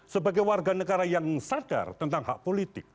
sebagai warga negara yang sadar tentang hak politik